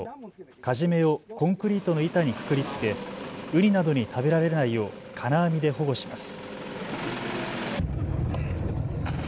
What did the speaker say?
カジメをコンクリートの板にくくりつけウニなどに食べられないよう金網で保護します。